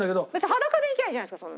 裸で行けばいいじゃないですか。